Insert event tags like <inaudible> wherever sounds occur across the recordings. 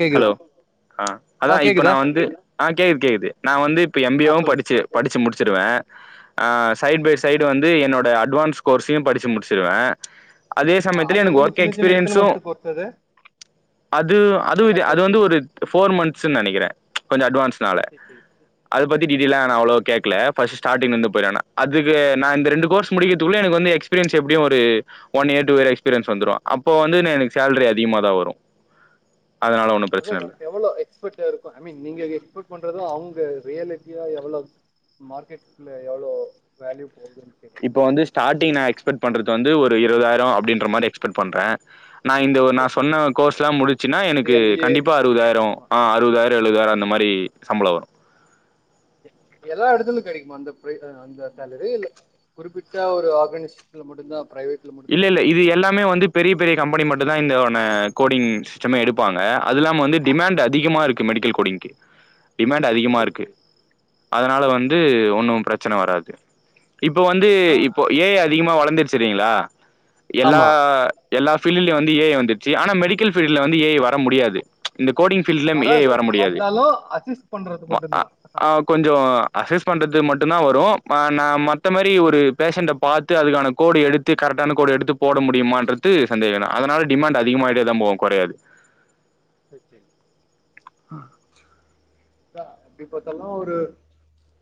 கேக்குது ஹலோ ஆ அதா இப்ப நா வந்து ஆ கேக்குது கேக்குது நா வந்து இப்ப எம் பி ஆ ஏ வு சொல்லுங்க படிச்சு படிச்சு முடிச்சிருவே ஆ சைட் ஓகே பை சைட் வந்து என்னோட அட்வான்ஸ் கோர்ஸையு படிச்சு முடிச்சிருவே அதே ஆ சமயத்தில அது எனக்கு எல்லாமே ஒர்க் சின்ன சின்ன எத்தன எக்ஸ்பீரியன்ஸு மந்த்து கோர்ஸ் அது அது அ து மத்த எல்லா அது வந்து கோர்ஸும் ஒரு ஃபோர் மந்த்ஸ்ன் நெனைக்கிறே இப்ப இந்த அட்வான்ஸ்னால சேத்தி அத பத்தி சரி டீடெ ய்லா நா அவ்ளோ கேக்கல ஃபஸ்டு ஸ்டார்டிங்ல இருந்து போயிரான அதுக்கு நா இந்த ரெண்டு கோர்ஸ் முடிக்கத்துக்குள எனக்கு வந்து எக்ஸ் பீரியன்ஸ் எப்டியு ஒரு one year two year experience வந்துரு அப்போ வந்துனு எனக்கு சேலரி அதிகமாதா வரு அதனால ஒன்னு அதா பிரச்சன இல்ல எவ்வளோ எக்ஸ்பர்ட்டு இருக்கு ஐ மீன் நீங்க எக்ஸ்பக்ட் பண்றது அவங்க ரியலிட்டியா எவ்ள மார்க்கெட்ல எவ்ளோ வேல்யூ போகுதுன் இப்ப வந்து ஸ்டாட்டிங் நா எக்ஸ்பெக்ட் பண்றது வந்து ஒரு இருபதாயிர அப்டின்ற மாரி எக்ஸ்பெக்ட் பண்ற நா இந்த ஒ நா ஓகே சொன்ன கோர்ஸ்லா முடிஞ்ச்சுனா இந்த எனக்கு எம் பி ஏ கண்டிப்பா அறுபதாயிர ஆமா ஆ அறுபதாயிர டு எழுபதாயிர அந்த மாரி சம்பள வரு எல்லா எடத்துலயு கெடைக்குமா அந்த பிரை ஆ அந்த சேலரி இல்ல குறிப்பிட்ட ஒரு ஆர்கனைஷேஷன்ல மட்டுந்தா பிரைவேட் இல்ல இல்ல இது எல்லாமே வந்து பெரிய பெரிய கம்பெனி மட்டுந்தா இந்தோன கோடிங் சிஸ்டமே எடுப்பாங்க அது இல்லாம வந்து டிமாண்ட் அதிகமா இரு க்கு மெடிக்கல் கோடிங்க்கு டிமேண்டு அதிகமா ஓகே இருக்கு ஓகே அதனால வந்து ஒன்னு பிரச்சன வராது இப்ப வந்து நா இப்ப ஏ ஐ அதிகமா வளந்துருச்சில்லைங்களா எல்லா ஆமா எல்லா ஃபீல்டுலயு வந்து ஏ ஐ வந்துருச்சு ஆனா மெடிக்கல் ஃபீல்டுல வந்து ஏ ஐ வர முடியாது இந்த கோடிங் ஃபீல்டுல ம ஏ ஐ வராது வர முடியாது வந்தாலு அசிஸ்ட் பண்றது ம அ மட்டுந்தா அ கொஞ்ச அசஸ் பண்றதுக் மட்டுந்தா வரு ம நா மத்த மாரி ஒரு பேஷண்ட்ட பாத் து அதுக்கான கோடு எடுத்து கரெக்டான கோடு எடுத்து போட முடியமான்றது சந்தேகந்தா அதனால டிமாண்ட் அதிகமாயிட்டேதா போகு கொறையாது ஓகேங் ஆ தா அப்படி பாத்தாலு ஒரு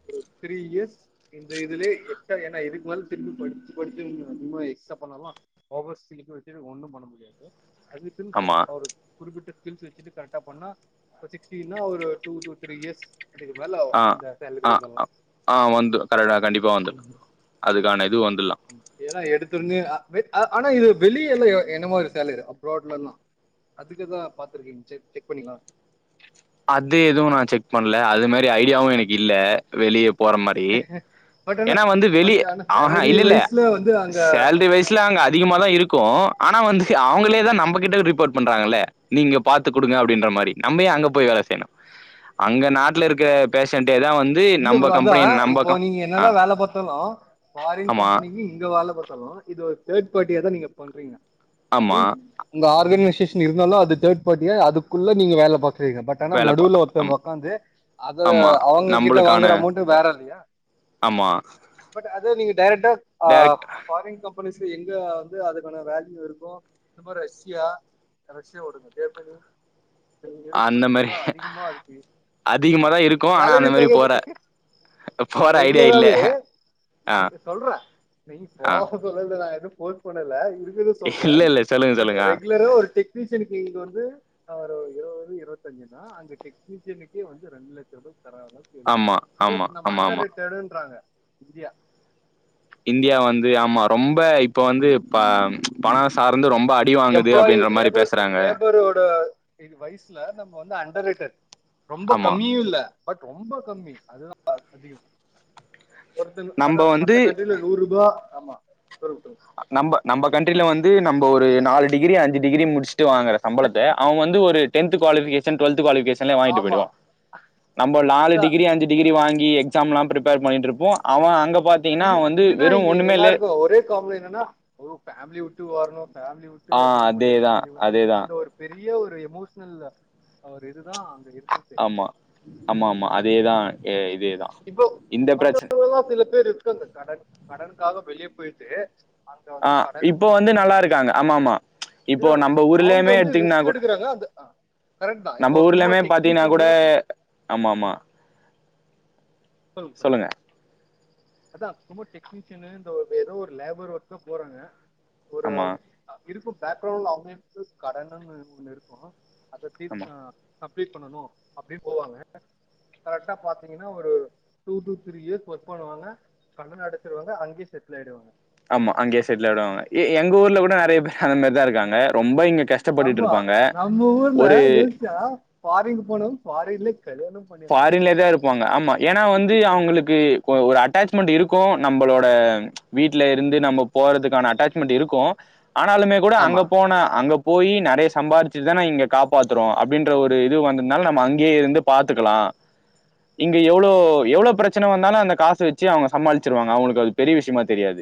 ஒரு த்ரீ இயர்ஸ் இந்த இதுலே எக்ஸ்ட்ரா ஏனா இதுக்கு மேல திருப்பி படிச்சு படிச்சு இன்னு எக்ஸ்ட்ரா பண்ணாலு ஓவர் ஸ்கில்ஸ் வெச்சட்டு ஒன்னும் பண்ண முடியாது ஐ மீன் ஸ்கில்ஸ் ஆமா அவரு குறிப்பிட்ட ஸ்கில்ஸ் வெச்சுட்டு கரெக்டா பண்ணா இப்ப சிக்ஸ்டீனா ஒரு டூ டு த்ரீ இயர்ஸ் அதுக்கு மேல ஆ ஆ வந்துர்லா ஆ வந்துரு கரெக்டா கண்டிப்பா வந்துரு அதுக்கான இது வந்துர்லா ஏன்னா எடுத்ததுமே ஆ வெ ஆ ஆனா இது வெளிய எல்லா என்னமோ ஒரு சேலரி அப்ராட்லலா அதுக்குதா பாத்துருக்கிங் செக் செக் பண்ணிக்லா அது எதுவு நா செக் பண்ல அது மாரி ஐடியாவு எனக்கு இல்ல வெளிய போற மாரி பட் ஆனா ஏன்னா வந்து வெளிய பட் ஆனா ஆ ஹா சேலரி இல்லில்ல வைஸ்ல வந்து அங்க சேல்ரி வைஸ் ஆமா அங்க அதிகமாகதா இருக்கு ஆனா வந்து ஆமா அவங்களேதா நம்ப கிட்ட ரிப்போர்ட் பண்றாங்களே நீங்க பாத்து குடுங்க அப்டின்ற மாறி நம்ப ஏ அங்கப் போய் வேல செய்யணு அங்க நாட்ல இருக்க பேஷன்டே தா வந் இல்ல ப்ரோ அதா இப்போ நீங்க என்னதா வேல பாத்தலு ஃபாரின் ஆமா கம்பெனிக்கு எங்க வேல பாத்தாலு இது ஒரு தேர்ட் பார்ட்டியா தா நீங்க பண்றீங்க ஐ ஆமா மீன் உங்க ஆர்கனைசேஷன் இருந்தாலு அது தேர்ட் பார்டியா அதுக்குள்ள நீங்க வேல பாக் செய்றீங்க பட் ஆனா வேலப்பா நடுவுல ஆம் ஒருத்தங்க உக்காந்து அத ஆமா அவங்க கிட் நம்பளுக்கான வாங்குற அமௌண்ட் வேற இல்லையா ஆமா பட் அது நீங்க டைரக்டா ஆ டேரக்ட் ஃபாரின் கம்பெனிஸ் எங்க வந்து அதுக்கான வேல்யூ இருக்கோ அந்த மாற் ரஷ்யா ரஷ்யா ஓடது ஜெர்மனி இழுப்பு அந்த மாரி அதுக்கெல்லா அதிகமா இருக்கு அதிகமா ஆமா தா இருக்கு ஆனா அந்த சேலரி மாரி பேக்கேஜு போற எங்க போற ஐடியா இல்ல ரெகுலராவே ஆ இருங்க சொல்றே இப்போ ஆ சொல்லல நா எது ஃபோர்ஸ் பண்ணல இருக்கத சொல்றே இல்ல இல்ல சொல்லுங்க பட் சொல்லுங்க ஆ ரெகுலரா ஒரு டிக் டெக்னீசியனக்கு இங்க வந்து ஆ ஒரு இருவது இருவத்தஞ்சுனா ஆ அங்க டெக்னீஷியனுக்கே வந்து ரெண்டு லட்ச ரூபாய் தராங்க டி எம் கே ஆமா பிகாஸ் ஆமா நம்ம ஆமா ஆமா அண்டர் ரிட்டருன்றாங்க இந்தியா இந்தியா வந்து ஆமா ரொம்ப இப்போ வந்து இ பணம் சார்ந்து ரொம்ப அ எம்ப்ளாயி லேபர் லேபரோட இது வயசுல நம்ம வந்து அண்டர்ட்டர் ரொம்ப ஆமா கம்மியு இல்ல பட் ரொம்ப கம்மி அதுதா அதிகோ ஒருத்தனுக் நம்ப அதா மத்த வந்து கண்ட்ரியல நூறு ரூபா ஆமா ப்ரிஃப்ரென்ஸ் நம்ப நம்ப கண்ட்ரியில வந்து நம்போ ஒரு நாலு டிகிரி அஞ்சு டிகிரி முடிச் சு வாங்குற சம்பளத்த அவ வந்து ஒரு டென்த் குவாலிபிகேஷன் டுவெல்த் குவாலிபேஷன் லே வாங்கிட்டு ஆமா போயிடுவா நம்ம நாலு அதான் டிகிரி அஞ்சு டிகிரி வாங்கி எக்ஸாம்லா ப்ரிப்பேர் பண்ணிட் இருப்போ அவ அங்க பாத்தீங்ன்னா வந்து வெறு ஒன்னுமே இல்ல காமெடி என்னன்னா ஃபேமிலி விட்டு ஓடணு ஃபேமிலி விட் ஆ அதேதா அதேதா பெரிய ஒரு எமோஷனல் ஒரு இதுதா அங்க இருக்கு ஆமா ஆமா ஆமா அதேதா எ இதேதா இப்ப இந்த பிரச்சன மத்தவங்கள்ல்லா சில பேர் இருக்காங்க கடன் கடனுக்காக வெளிய போய்ட்டு ஆ இப்போ வந்து நல்லா இருக்காங்க ஆமா ஆமா இப்போ ஏமா நம்ம அவங்க ஊர்லயுமே வந்து எத்தீங்னா ரிஸ்க் கூட எடுக்குறாங்க அந்த கரெக்ட் தா இப்போ நம்ம சும்மா ஊர்லமே பாத்தீங்ன்னா டெக்னீஷியனு கூட ஆமா ஆமா சொல்லுங்க சொல்லுங்க அதா சும்மா டெக்னீஷியனு இந்த ஏதோ ஒரு லேபர் ஒர்க்கா போறாங்க ஒரு ஆமா ஆ இருக்கு பேக்ரவுண்ட்ல அவங்க எடுத்த கடன்னு ஒன்னு இருக்கு அத தீர் ஆமா ஆ கம்ப்ளீட் பண்ணனு அப்டின் போவாங்க கரெக்டா பாத்தீங்ன்னா ஒரு two two three years work பண்ணுவாங்க கடன் அடச்சிருவாங்க அங்கே செட்டுல் ஆயிடுவாங்க ஆமா அங்கே செட்டில் ஆய்டுவாங்க எ எங்க ஊர்ல கூட நெறைய பேரு அந்த மாரி தா இருக்காங்க ரொம்ப இன் ஆமா நம்ம ஊர்ல யோஸ்ச்சா ஃபாரின்கு போனவங் ஃபாரின்லே கல்யாணம் பண்ணிடுறாங்க பாரின்லே தா இருப்பாங்க ஆமா ஏனா வந்து அவங்களுக்கு ஒ ஒரு அட்டாச் மென்ட் இருக்கு நம்பளோட வீட்ல இருந்து நம்ம போறதுக்கான அட்டாச்மெண்ட் இருக்கு ஆனாலுமே கூட ஆமா அங்க போனா அங்க போயி நெறைய சம்பாரிச்சுட்தான இங்க காப்பாத்துறோ அப்டின்ற ஒரு இது வந்து இருந்தாலு நம்ம ஆமா அங்கயே இருந்து பாத்துக்கலா இங்க எவ்ளோ எவ்ளோ பிரச்சனை வந்தாலு அந்த காசு வெச்சு அவுங்க சமாளிச்சிருவாங்க அவுங்களுக்கு அது பெரியவிஷ்யமா தெரியாது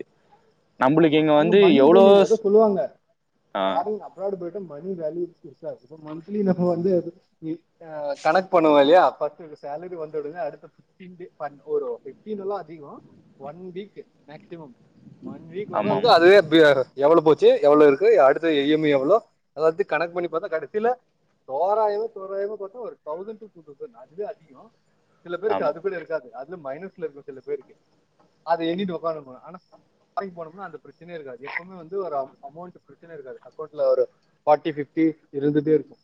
நம்பளுக்கு ஆம்மா இங்க அங்க வந்து மணி எவ்ளோ வேலியில எதோ சொல்லுவாங்க ஆ பாருங்க முன்னாடி போய்ட்டு மணிவேல்யூ மந்த்லி இந்த எஃப் வந்து எ கனக் பண்ணுவோ இல்லையா ப சேலரி வந்தஉடனே அடுத்தப <inaudible> ஃபன்ட் வரு ஃபிஃப்டினெல்லா அதிகொ one week maximum one week ஆமா ஒக்காந்து ஆமா அது தேர்ட் பி ஆர் எவ்வளோ போச்சு எவ்வள இருக்கு அடுத்து இ எம் ஐ எவ்வளோ அத கண்க் பண்ணி பாத்தா கடசில தோராயவோ தோராயவ பாத்தா ஒரு தௌசண்ட் டு டூ தௌசண்ட் அதுவே அதிகொ சில பேருக்கு ஆமா அதுக்கூட இருக்காது அதுல மைனஸ்ல இருக்கு சில பேருக்கு அத எண்ணிட்டு உக்கந்துருப்பாங்க ஆனா வேலக்போனப் ன்னு அந்த பிரச்சனையே இருக்காது எப்பவுமே வந்து ஒரு அமௌண்ட் பிரச்சின இருக்காது அக்கௌண்ட்ல ஒரு ஃபார்ட்டி ஃபிஃப்டி இருந்துட்டேருக்கு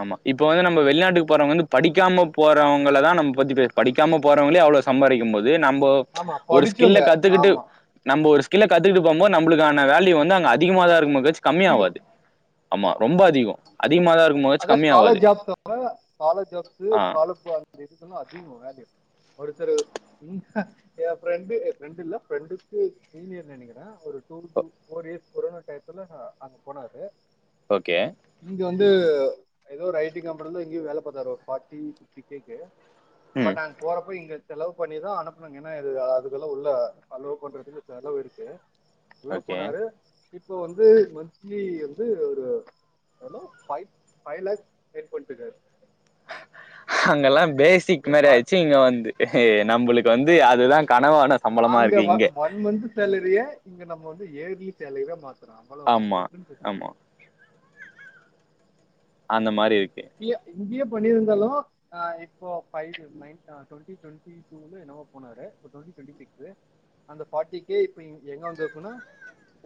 ஆம்மா இப்பவந்து நம்ம வெளிநாட்டுக்கு போறவங்க வந்து படிக்காம போறவங்களதா நம்ப்பத்தி பேஸ் படிக்காம போறவங்களே அவ்வளோ சம்பாரிக்கும்போது நம்ப ஆமா ஒரு ஸ்கில்ல படிச்சவங்க கத்துக்கிட்டு ஆமா நம்ம ஒரு ஸ்கில்ல கத்துக்கிட்டு போம்போது நம்மளுக்கான வேல்யூ வந்து அங்க அதிகமாதா இருக்கு மோச் அதிகோ கம்மியவாது ஆம்மா ரொம்ப அதிகொ அதிகமா தா இருக்குமோ அதா scholar job the scholar jobs ஆ காலப்பு இது அதிக வேல்யூ ஒருத்தர் ன் அ எ ஃப்ரெண்டு என் ஃப்ரெண்டு இல்ல ப்ரெண்டுக் சீனியர் நெனைக்க க ஒரு two two four years corona டைத்துல நா அங்க போனாரு ஓக்கே இங்க வந்து ஏதோ ஒரு ஐ டி கம்பென்ல இங்கியெ வேலை பாத்தாரு ஃபார்ட்டி ஃபிஃப்ட்டி கே ம் பட் நாங் போறப்ப இங்க செலவ் பண்ணிதா அனுப்புனாங்க என்னா இது அதுக்கெல்லா உள்ள செலவ் பண்றதுக்கு செலவுருக்கு உள்ள ஓகே போனாரு இப்போ வந்து மந்த்லி வந்து ஒரு எவ்ளோ ஃபை ஃப்வை லேக்ஸ் யேர்ன் பண்ணிட்டுக்காரு அங்கல்லாம் பேஸ் சிக் அப்படியே மேரி பார் ஆய்ச்சு இங்க வந்து நம்ப்ளுக்கு வந்து ஆமா அதுதா கனவான சம்பளமா அங்க இருக்கு வ இங்கெ ஒன் மந்த் சேலரிய இங்க நம்ம வந்து யெர்லி சேலரிதா மாத்துறோம்ள்ள ஆமா ஆமா அந்தமாரி இருக்கு பி‌ ஃப் இங்கியே பண்ணியிருந்தாலு அ இப்போ பைவ வி டோண்ட்டி டோண்ட்டி இன்னு என்னமோ போனாரு <inaudible> அந்த ஃப்பாட்டி கே இப்ப எங்க வந்து அப்பன்னா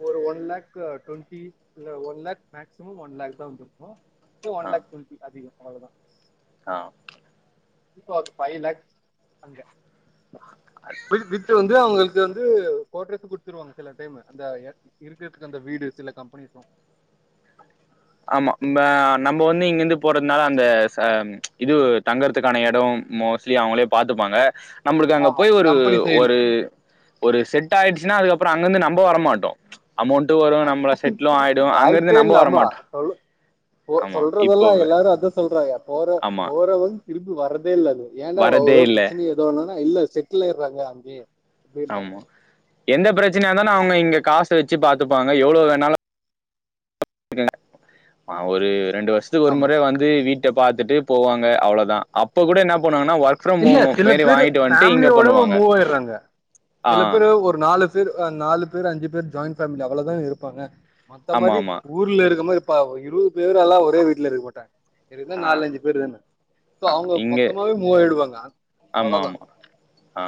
ஒரு ஒன் லேக் அ டுவெண்ட்டி இல்ல one lakh maximum one lakh தா வந்திருக்கு ஒன்லேக் <inaudible> அதிகொ அவ்ளோதா அ ப்போ அது ஃபை லேக்ஸ் அங்கெ வி வித்து வந்து அவுங்களுக்கு வந்து கோட்ரஸ்ஸு குடுத்துருவாங்க சில அதேமார் ந்த இருக்கிறதுக்கு அந்த வீடு சில கம்பெனிஸ்லா ஆம்மா ந்த நம்போ வந்து இங்கிருந்து போறதுனால அந்த இது தங்கற்துக்கான எடொ மோர் ஸ்லி அவங்களே பாத்துப்பாங்க நம்பளுக்கு அங்க ஆமா போய் ஒரு கம்பெனி சைடு ஒரு ஒரு செட் ஆயிடுச்சுனா அதுக்கப்பற அங்கர்ந்து நம்ப வரமாட்டோ அமௌண்டு வரு நம்மள செட்ல்லு ஆயிடுவ வாய்ப்பே அங்கருந்து நம்ப இல்ல ஆமா வரமாட்டோ சொல் போ ஆமா இப்போ சொல்றதெல்லா எல்லாரு அத்தா சொல்றாங்க போற ஆமா போற வந் திருப்பி வர்றதே இல்ல ஏன்டா வ வரதே ஒரு இல்ல பிரச்சனை ஏதோ ஒனுல்னா இல்ல செட்டில் ஆய்டுறாங்க அங்யே ஆம்மா எந்த பிரச்சனைய ஆனா அவுங்க இங்க காசு வெச்சு பாத்துப்பாங்க எவ்ளோ வேணாலு போய்ட்டாங்க நா ஒரு ரெண்டு வருஷத்துக்கு ஒரு ஆமா மொற வந் து வீட்ட பாத்துட்டு போவாங்க அவ்ளதா அப்ப கூட என்ன பண்ணுவாங்கன்னா ஒர்க் பிரம் இல்ல ஹோம் சில மேரி பேரு வாங்கிட்டு வந்ட்டு இங்க ஃபேமிலியோட பண்ணுவாங்க மூவ் ஆயிடுறாங்க ஆ சில பேரு ஒரு நாலு த்து அ நாலு பேர் அஞ்சு பேர் ஜாயிண்ட் பேமிலி அவ்வளதா இருப்பாங்க மத்த மதி ஆமாமா. ஊர்ல இருக்க மாரி பாவ் இருவது பேறால்ல ஒரே வீட்டுல இருக்க மாட்டாங்க இருந்தா ஆ நாலுஞ்சு பேரு தான சோ அவங்க மொத்தமாவே மூவாயிடுவாங்க ஆம்மாம்மா ஆ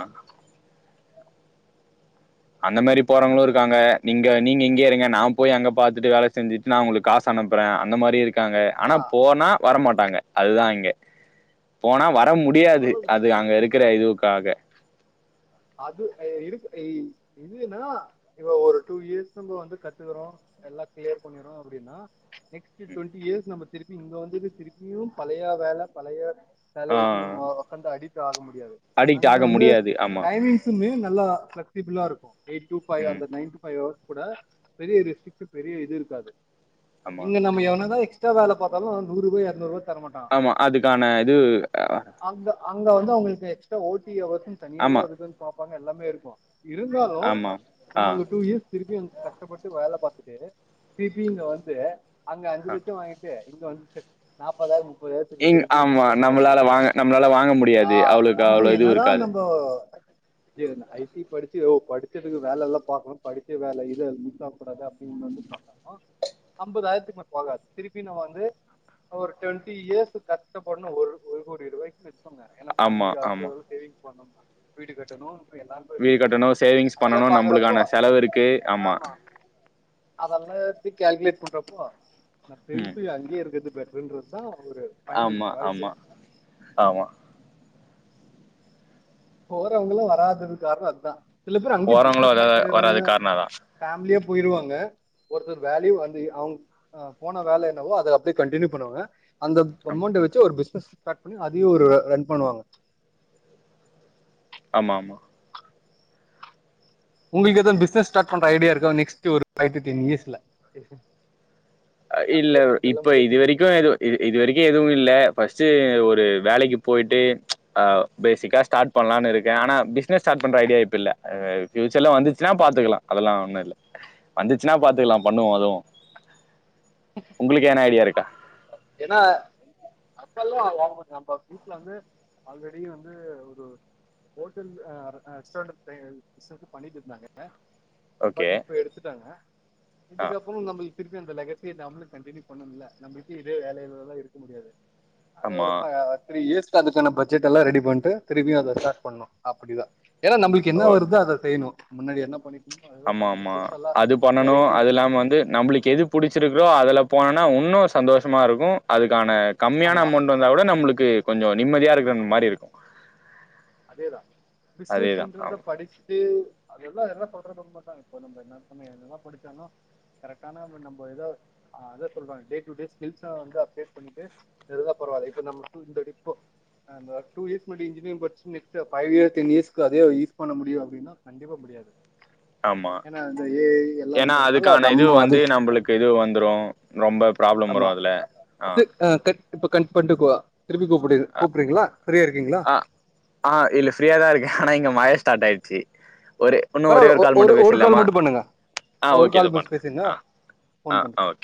அந்த மாரி போறவங்களு இருக்காங்க நிங்க நீங்க இங்கயே இருங்க நா போய் அங்க பாத்துட்டு வேல செஞ்சுட் நா உங்களுக்கு காஸ் அனுப்பறே அந்த மாரியூ இருக் காங்க அனா ஆ போனா வர மாட்டாங்க அதுதா இங்க போனா வர மு டியாது அவ்ளோதா அது அங்க இருக்கற இதுவுக்காக அது எ இருக் எய் இதுன்னா இப்ப ஒரு டூ இயர்ஸ் நம்ப வந்து கத்துக்கறோ எல்லா கிளியர் பண்ணிர்றோ அப்படின்னா நெக்ஸ்ட் டொண்ட்டி இயர்ஸ் நம்ப திருப்பி இங்க வந்துட்டு திருப்பியூ பழையா வேல பழையா ஆ சேலரிக்கு ஒக்கந்து அடிக்ட்டு ஆக முடியாது அடிக்ட் அங்க ஆக வந்து முடியாது. ஆமா. <unintelligible> நல்லா பிளக்ஸிபுலா இருக்கு எயிட் டூ ஃபை ம் அந்த நைன் டூ பைவ் அவர்ஸ் கூட பெரிய ரிஸ்ட்ரிக்ட்டு பெரிய இது இருக்காது ஆமா. இங்க நம்ம எவனதா எக்ஸ்ட்ரா வேல பாத்தாலு நூறுபா இரநூறுவா தர மாட்டா அமா அதுக்கான இது அங்க அங்க வந்து அவங்களுக்கு எக்ஸ்ட்ரா ஓ டி ஹவர்ஸ்ன் தனியாவே ஆமா அதுக்கு வந் பாப்பாங்க எல்லாமே இருக்கு இருந்தாலு ஆமா ஆ நம்ம அங்க டூ ஈஸ் திருப்பியூ அங் கஷ்டப்பட்டு வேல பாத்துட்டு திருப்பியூ இங்க வந்து அங்க அஞ்சு ஆ. லட்சோ வாங்கிட் து இங்க வந்து <unintelligible> இங் திருப்பி ஆமா கஷ்டப்பட நம்மளால முடியாதுல்ல வாங்க நம்மளால வாங்க மு ஆ நம்ம என்னதா நம்போ <unintelligible> ஐ டி படிச்சு யோவ் படிச்சதுக்கு வேல எல்லா பாக்கனு படிச்ச வேல இது அது மிஸ் ஆக கூடாது அப்டின் வந்து <unintelligible> ஐம்பதாயிரத்துக்கு மே போகாது திருப்பி நா வந்து ஒரு டொண்ட்டி இயர்ஸ்ஸு கஷ்டப்படுனு ஒரு ஒரு கோ டி ரூவாய்க்கு <unintelligible> ஏன்னா ஆமா பேமிலி ஆமா அடுத்தது எதா சேவிங் பண்ணுன்னா வீடு கட்டணு எல்லாமே வீ கட்டணு சேவிங்ஸ் அதெல்லா பண்ணணு பாக்குறப்போ நம்மளுக்கான செலவு இருக்கு ஆமா அதல்லா எப்டி கேல்குலேட் பண்றப்போ நா ம் <unintelligible> அங்கயே இருக்கறது பெட்ட ருன்றதுதா ஒரு ஃபைனல் ஆமா சாய்ஸே ஆமா ஆமா போறவங்கள வராதது காரணோ அத்தா சில பேர் அங்கயே போறவங்களு பிஸ்னஸ் வர ஸ்டார்ட் பண்ணிடுறாங்க வராது காரண அதா பேமிலியா போயிருவாங்க ஒருத்தர் வேல்யூ வந்து அவுங் ஆ போன வேல என்னவோ அது அப்படியே கண்டினியூ பண்ணுவாங்க அந்தது ஆமா அமௌண்ட வெச்சு ஒரு பிஸ்னஸ் ஸ்டார்ட் பண்ணி அதையு ஒரு ரன் பண்ணுவாங்க ஆமா ஆமா உங்களுக்கு எதூ பிஸ்னஸ் ஸ்டார்ட் பண்ற ஐடியா இருக்கா நெக்ஸ்ட் ஒரு ஃபைவ் டூ டென் இயர்ஸ்ல அ இல்ல ஆஃப்டர் இதெல்லாம் இப்ப முடிச்சுட்டு இதுவரைக்கு எது இது இது வரைக்கு எதுவு இல்ல ஃபஸ்ட்டு ஒரு வேலைக்கு போயிட்டு அ பேசிக்கா ஸ்டார்ட் பண்லான்னு இருக்க அனா பிஸ்னஸ் ஸ்டாட் பண்ற ஐடியா இப்ப இல்ல அ ஃபியூச்சர்ல வந்துச்சுன்ன பாத்துக்கலா அதலா ஒன்னு இல்ல வந்துச்சுன்னா பாத்துக்கலா பண்ணுவோ அதுவு உங்களுக்கு எதனா ஐடியா இருக்கா என்ன நம்ப வீட்லந்து ஆல்ரெடி வந்து ஒரு ஹோட்டல் ஆ ரெஸ்டாரண்ட் பிஸ்னஸ்ஸு பண்ணிட்டு இருந்தாங்க ஓகே. பட் இப்ப எடுத்துட்டாங்க ஆ இதுக்கப்புறம் நம்புள்க் திருப்பியும் அந்த லகஸ்த்திய நாமளும் கண்டினியூ பண்ணணும்ல நம்புள்க்கு இதே வேல எல்லா இருக்க முடியாது அது ஆமா. ஒரு பா த்ரீ இயர்ஸ்க்கு அதுக்கான பட்ஜெட் எல்லா ரெடி பண்ட்டு திரிப்பியு அத ஸ்டார்ட் பண்ணோ அப்படிதா ஏன்னா நம்புள்க் என்ன வருதோ ஓகே. அத செய்ணு முன்னாடி என்ன பண்ணிட்ருந்தமோ அதுதா பண்ணனு பெருசாலா பண்ணணு அதுல்லாமா வந்து நம்மளுக் எதுப் புடிச்சிருக்கோ அதுல போனனா இன்னு சந்தோஷமா இருக்கும் அதுக்கான கம்மியான ஆமா அமவ்ண்ட் வந் தா கூட நம்ளுக்கு கொஞ்சோ நிம்மதியா இருக்கனு மாரி இருக்கும் அதேதா பிஸ்னஸ் அதேதான். என்றத ஆமா, படிச்சுட்டு அதெல்லா எல்லா சொல்றது உண்ம தா இப்ப நம்ப என்ன மே நல்லா படிச்சோன்னா கரெக்ட்டான நம்ப எதோ அதே சொல்றாங்க டே டூ டே ஸ்பென்ஸ்ன வந்து அப்டேட் பண்ணிட்டு இருந்தா பரவால்ல இப்ப நம்போ இந்த டிப்போ அ நம்போ டூ இயர்ஸ் முடின்ஞ்சி இன்ஜினியரிங் படிச் நெஸ்ட்டு ஃபைவ் இயர் டென் இயர்ஸ்க்கு அதே யூஸ் பண்ண முடியு அப்டின்னா கண்டிப்ப முடியாது ஆமா. ஏன்னா இந்த ஏ ஐ எல்லா வந்துருனால நம்ம அதுக்கு க்குது வந்துரும் ரொம்ப ப்ராப்ளம் வராதுல அ ஆ இப்ப கட் பண்ட்டு கூ ஆ திருப்பி கூப்புடு அ கூப்புறீங்ளா ஃப்ரீயா இருக்கீங்ளா ஆ ஆ இல்ல ஃப்ரீயா தா இருக்கே ஆனா இங்க மழ ஸ்டார்ட் ஆயிட்ச்சு ஒரு உன்னோ ஒரே பரவாயில்ல ஒரு கால் மட்டு ஒரு கால் பேசில்லாமா மட்டும் பண்ணுங்க ஆ ஒரு ஓகே இதோ கால் பண்ற பேசுங்க ஆ ஃபோன் ஆ பண்றேன் ஆ ஓக்